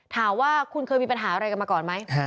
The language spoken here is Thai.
ถามว่าคุณเคยมีปัญหาอะไรกันมาก่อนไหม